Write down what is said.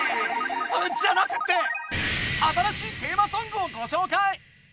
じゃなくて新しいテーマソングをごしょうかい！